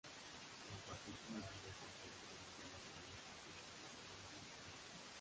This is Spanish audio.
La partitura de esta película fue la segunda compuesta por David Arnold.